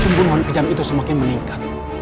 pembunuhan kejam itu semakin meningkat